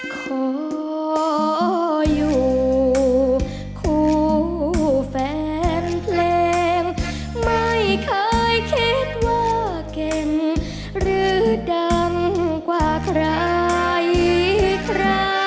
ขออยู่คู่แฟนเพลงไม่เคยคิดว่าเก่งหรือดังกว่าใครครับ